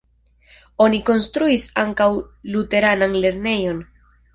Oni konstruis ankaŭ luteranan lernejon.